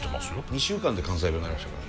２週間で関西弁なりましたから。